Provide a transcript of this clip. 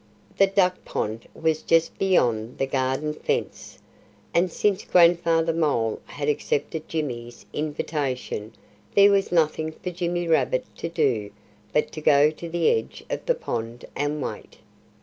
The duck pond was just beyond the garden fence. And since Grandfather Mole had accepted Jimmy's invitation there was nothing for Jimmy Rabbit to do but to go to the edge of the pond and wait.